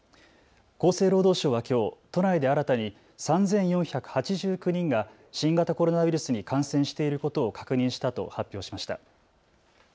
厚生労働省はきょう都内で新たに３４８９人が新型コロナウイルスに感染していることを確認したと発表しました。